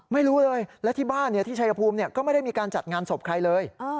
ไม่รู้เลยและที่บ้านที่ชายภูมิก็ไม่ได้มีการจัดงานศพใครเลย